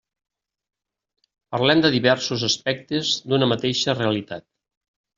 Parlem de diversos aspectes d'una mateixa realitat.